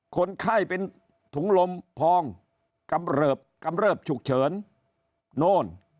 คนไข้เป็นถุงลมพองกำเริบกำเริบฉุกเฉินโน่น